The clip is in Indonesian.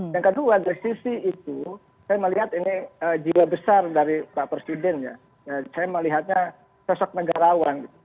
yang kedua dari sisi itu saya melihat ini jiwa besar dari pak presiden ya saya melihatnya sosok negarawan